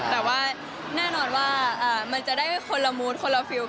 แต่ว่าแน่นอนว่ามันจะได้คนละมูธคนละฟิลล